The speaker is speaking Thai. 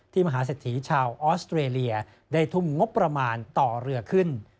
มหาเศรษฐีชาวออสเตรเลียได้ทุ่มงบประมาณต่อเรือขึ้น